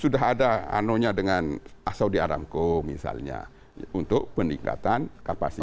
sudah ada anonya dengan saudi aramco misalnya untuk peningkatan kapasitas